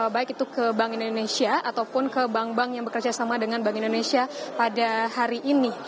baik itu ke bank indonesia ataupun ke bank bank yang bekerja sama dengan bank indonesia pada hari ini